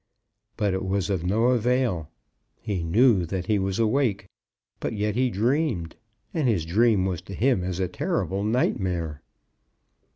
But it was of no avail. He knew he was awake; but yet he dreamed; and his dream was to him as a terrible nightmare.